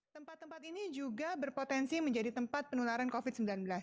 tempat tempat ini juga berpotensi menjadi tempat penularan covid sembilan belas